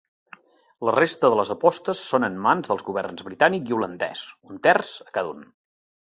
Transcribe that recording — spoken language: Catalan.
La resta de les apostes són en mans dels governs britànic i holandès, un terç a cada un.